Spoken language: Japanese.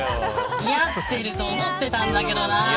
似合ってると思ってるんだけどな。